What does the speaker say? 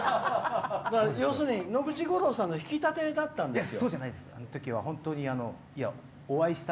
要するに野口五郎さんの引き立てだったんです。